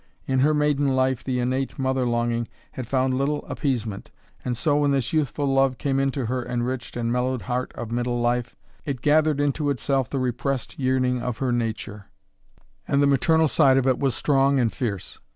In her maiden life the innate mother longing had found little appeasement; and so, when this youthful love came into her enriched and mellowed heart of middle life, it gathered into itself the repressed yearning of her nature, and the maternal side of it was strong and fierce.